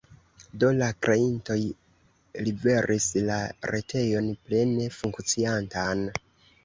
Do la kreintoj liveris la retejon plene funkciantan.